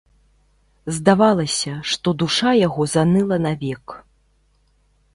Здавалася, што душа яго заныла навек.